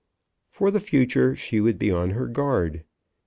For the future she would be on her guard!